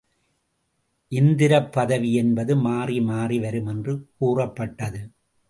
இந்திரப்பதவி என்பது மாறி மாறி வரும் என்று கூறப்பட்டது.